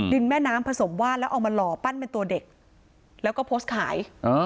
แม่น้ำผสมว่านแล้วเอามาหล่อปั้นเป็นตัวเด็กแล้วก็โพสต์ขาย